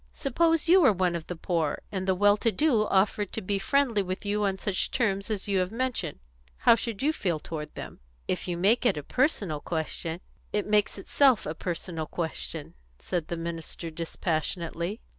Suppose you were one of the poor, and the well to do offered to be friendly with you on such terms as you have mentioned, how should you feel toward them?" "If you make it a personal question " "It makes itself a personal question," said the minister dispassionately.